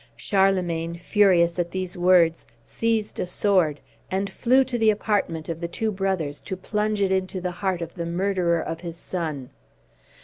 Charlemagne, furious at these words, seized a sword, and flew to the apartment of the two brothers to plunge it into the heart of the murderer of his son.